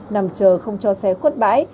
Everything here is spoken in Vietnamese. nằm chờ không cho xe khuất bãi